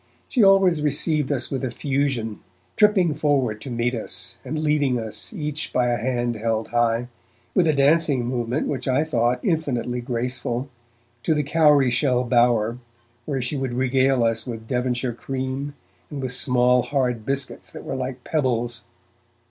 She always received us with effusion, tripping forward to meet us, and leading us, each by a hand held high, with a dancing movement which I thought infinitely graceful, to the cowry shell bower, where she would regale us with Devonshire cream and with small hard biscuits that were like pebbles.